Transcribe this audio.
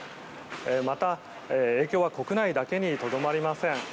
また、影響は国内だけにとどまりません。